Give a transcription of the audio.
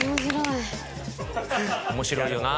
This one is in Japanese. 面白いよな。